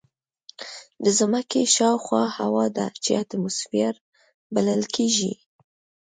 د ځمکې شاوخوا هوا ده چې اتماسفیر بلل کېږي.